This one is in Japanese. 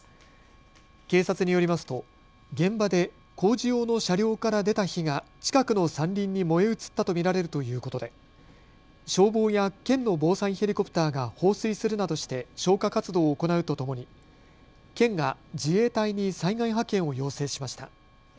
警察によりますと現場で工事用の車両から出た火が近くの山林に燃え移ったと見られるということで消防や県の防災ヘリコプターが放水するなどして消火活動を行うとともに県が自衛隊に災害派遣を要請しました。